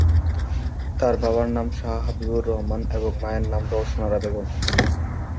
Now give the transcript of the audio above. তার বাবার নাম শাহ্ হাবিবুর রহমান এবং মায়ের নাম রওশন আরা বেগম।